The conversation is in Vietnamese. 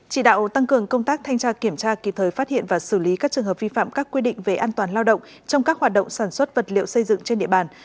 chỉ đạo tăng cường công tác thanh tra kiểm tra kịp thời phát hiện và xử lý các trường hợp vi phạm các quy định về an toàn lao động trong các hoạt động sản xuất vật liệu xây dựng trên địa bàn